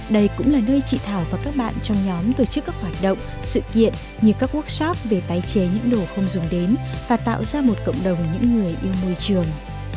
đây cũng là nơi chị thảo và các bạn trong nhóm tổ chức các hoạt động sự kiện như các workshop về tái chế những đồ không dùng đến và tạo ra một cộng đồng những người yêu môi trường